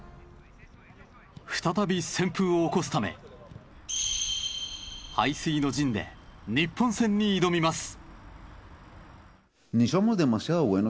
再び旋風を起こすため背水の陣で日本戦に挑みます。